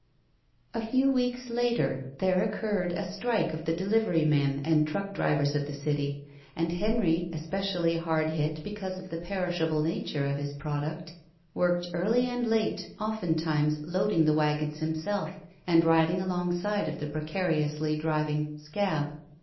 A few weeks later there occurred a strike of the delivery men and truck drivers of the city, and Henry, especially hard hit because of the perishable nature of his product, worked early and late, often times loading the wagons himself and riding along side of the precariously driving "scab."